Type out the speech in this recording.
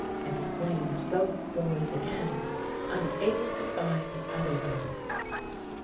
exclaimed both boys again, unable to find other words.